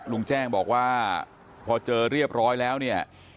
ลุงแจ้งบอกว่าพอเจอเรียบร้อยแล้วเนี่ย